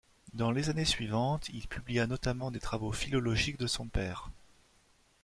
Dans les années suivantes, il publia notamment des travaux philologiques de son père.